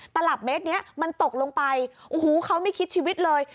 ตลับเมตรนี้มันตกลงไปโอ้โหเขาไม่คิดชีวิตเลย